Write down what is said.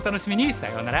さようなら。